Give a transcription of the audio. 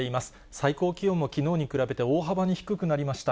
最高気温もきのうに比べて大幅に低くなりました。